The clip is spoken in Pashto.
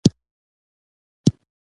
يوه وړه ډبره يې ور واخيسته.